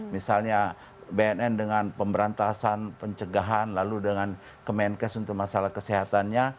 misalnya bnn dengan pemberantasan pencegahan lalu dengan kemenkes untuk masalah kesehatannya